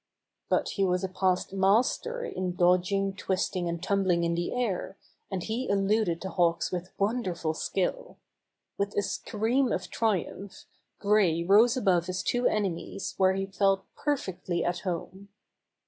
But he was a past master in dodging, twist ing; and tumbling in the air, and he eluded the Hawks with wonderful skill. With a scream of triumph, Gray rose above his two enemies where he felt perfectly at home.